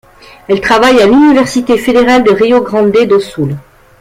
Elle travaille à l'Université fédérale du Rio Grande do Sul.